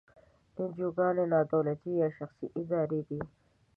انجوګانې نا دولتي یا شخصي ادارې دي.